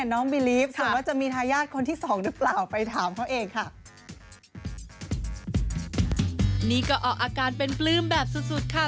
นี่ก็ออกอาการเป็นปลื้มแบบสุดสุดค่ะ